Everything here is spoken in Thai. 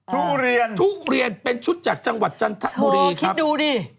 ทุเรียนทุเรียนเป็นชุดจากจังหวัดจันทบุรีคิดดูดิ